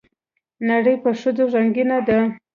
نړۍ په ښځو رنګينه ده